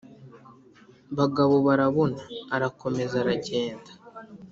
Bagabobarabona arakomeza aragenda,